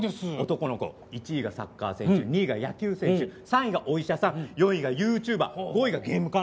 男の子１位がサッカー選手２位が野球選手３位がお医者さん４位がＹｏｕＴｕｂｅｒ５位がゲーム関連の仕事。